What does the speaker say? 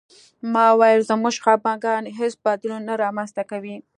ما وویل زموږ خپګان هېڅ بدلون نه رامنځته کوي